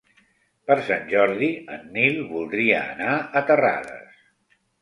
Per Sant Jordi en Nil voldria anar a Terrades.